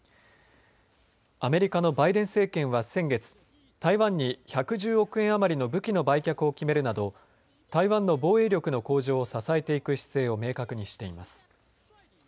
アメリカのバイデン政権は先月台湾に１１０億円余りの武器の売却を決めるなど台湾の防衛力の向上を支えていく姿勢を明確にしています。